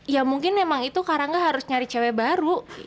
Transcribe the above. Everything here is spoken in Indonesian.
ya mungkin emang itu karangga harus nyari cewe baru